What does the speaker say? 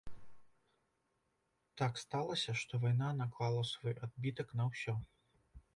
Так сталася, што вайна наклала свой адбітак на ўсё.